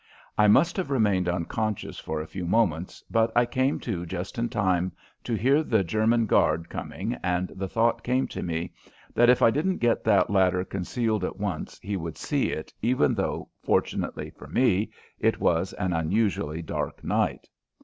I must have remained unconscious for a few moments, but I came to just in time to hear the German guard coming, and the thought came to me that if I didn't get that ladder concealed at once, he would see it even though, fortunately for me, it was an unusually dark night.